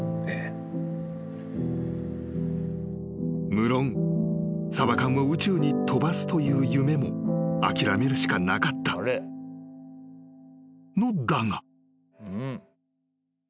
［むろんサバ缶を宇宙に飛ばすという夢も諦めるしかなかったのだが］